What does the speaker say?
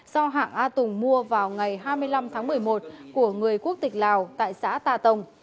do hạng a tùng mua vào ngày hai mươi năm tháng một mươi một của người quốc tịch lào tại xã tà tổng